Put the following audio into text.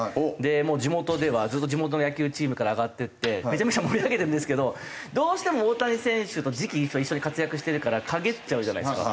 もう地元ではずっと地元の野球チームから上がっていってめちゃめちゃ盛り上げてるんですけどどうしても大谷選手と時期一緒に活躍してるから陰っちゃうじゃないですか。